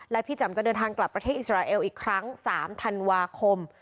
และพี่แจ๋มจะเดินทางกลับประเทศอิสราเอลอีกครั้ง๓ธันวาคม